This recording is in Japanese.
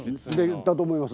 だと思います。